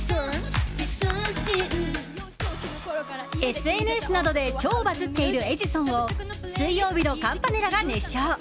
ＳＮＳなどで超バズっている「エジソン」を水曜日のカンパネラが熱唱！